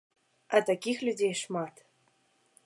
А такіх людзей шмат.